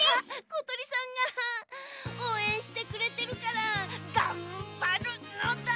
ことりさんがおうえんしてくれてるからがんばるのだ！